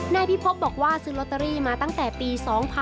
นายพิพบบอกว่าซื้อลอตเตอรี่มาตั้งแต่ปี๒๕๕๘